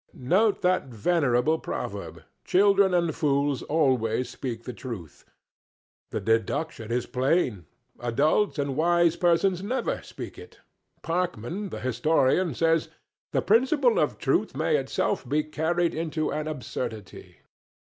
Note that venerable proverb: Children and fools always speak the truth. The deduction is plain adults and wise persons never speak it. Parkman, the historian, says, "The principle of truth may itself be carried into an absurdity."